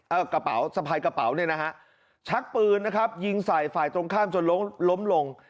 เอากระเป๋าสะพายกระเป๋าเนี่ยนะฮะชักปืนนะครับยิงใส่ฝ่ายตรงข้ามจนล้มล้มลง